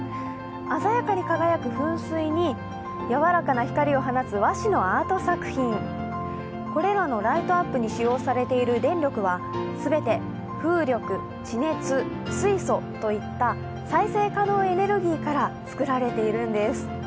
鮮やかに輝く噴水にやわらかな光を放つ和紙のアート作品、これらのライトアップに使用されている電力は全て、風力、地熱、水素といった再生可能エネルギーから作られているんです。